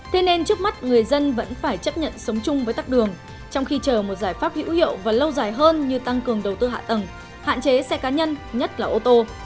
thế nên trước mắt người dân vẫn phải chấp nhận sống chung với tắc đường trong khi chờ một giải pháp hữu hiệu và lâu dài hơn như tăng cường đầu tư hạ tầng hạn chế xe cá nhân nhất là ô tô